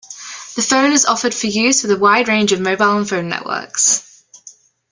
The phone is offered for use with a wide range of mobile phone networks.